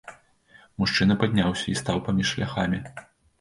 Мужчына падняўся і стаў паміж шляхамі.